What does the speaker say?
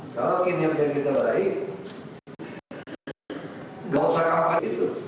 kalau pikir pikir kita baik nggak usah kapan kapan gitu